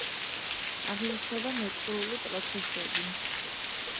აღინიშნება მეწყრული პროცესები.